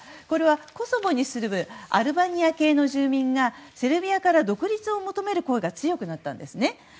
これはコソボに住むアルバニア系の住民がセルビアから独立を求める声が強くなったんですね。